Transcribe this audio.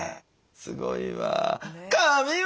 すごいわ。